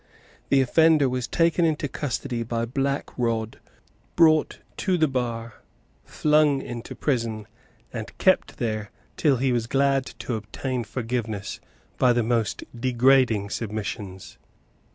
The offender was taken into custody by Black Rod, brought to the bar, flung into prison, and kept there till he was glad to obtain forgiveness by the most degrading submissions.